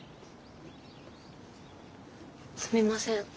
すみません